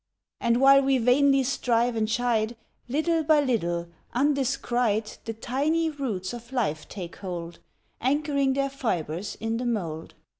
And while we vainly strive and chide, Little by little, undescried, The tiny roots of life take hold, Anchoring their fibres in the mould.